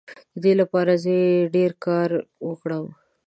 د دې لپاره به زه ډیر کار وکړم.